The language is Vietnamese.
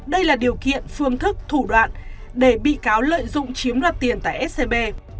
đây là điều kiện phương thức thủ đoạn để bị cáo lợi dụng chiếm đoạt tiền tại scb